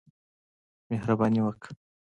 مهرباني وکړه.